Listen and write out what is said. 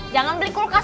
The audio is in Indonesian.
jangan beli kulkas